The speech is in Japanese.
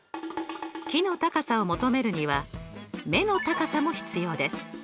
木の高さを求めるには目の高さも必要です。